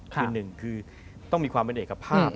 คือหนึ่งคือต้องมีความเป็นเอกภาพ